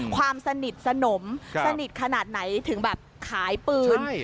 ความสนิทสนมสนิทขนาดไหนถึงแบบขายปืน